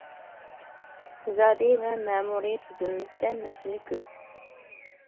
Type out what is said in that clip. ئىقتىسادى ۋە مەمۇرى تۈزۈلمىسىدە مەسىلە كۆپ.